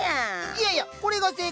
いやいやこれが正解です！